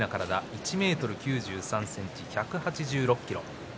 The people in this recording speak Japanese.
１ｍ９３ｃｍ１８６ｋｇ。